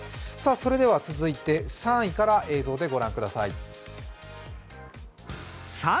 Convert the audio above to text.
それでは続いて３位から映像でご覧ください。